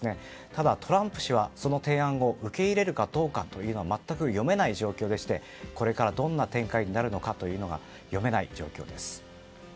ただ、トランプ氏がその提案を受け入れるかどうかは全く読めない状況でしてこれからどんな展開になるかは読めない状況です。